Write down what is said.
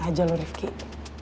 kayaknya lo jadi seorang yang